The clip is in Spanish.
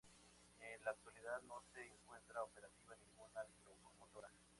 En la actualidad no se encuentra operativa ninguna locomotora.